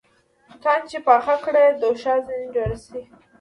توتان چې پاخه کړې دوښا ځنې جوړه سې